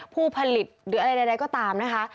ผู้ผลิตหรืออะไรใดก็ตามนะคะ